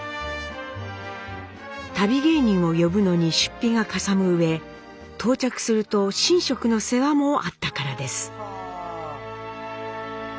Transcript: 旅芸人を呼ぶのに出費がかさむうえ到着すると寝食の世話もあったからです。